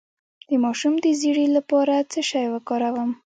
د ماشوم د ژیړي لپاره باید څه شی وکاروم؟